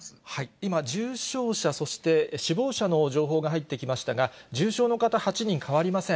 今、重症者、そして死亡者の情報が入ってきましたが、重症の方８人、変わりません。